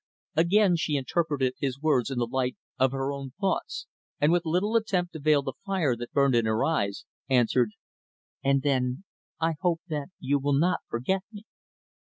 Again, she interpreted his words in the light of her own thoughts, and with little attempt to veil the fire that burned in her eyes, answered, "And then I hope that you will not forget me."